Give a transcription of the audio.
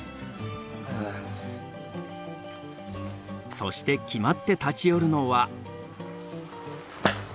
そして決まって立ち寄るのは。